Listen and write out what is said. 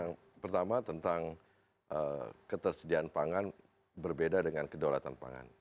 yang pertama tentang ketersediaan pangan berbeda dengan kedaulatan pangan